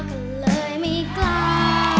ก็เลยไม่กล้า